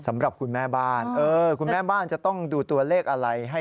สำหรับคุณแม่บ้านเออคุณแม่บ้านจะต้องดูตัวเลขอะไรให้